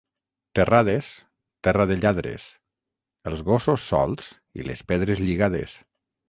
Terrades, terra de lladres; els gossos solts i les pedres lligades.